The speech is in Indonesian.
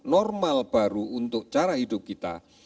normal baru untuk cara hidup kita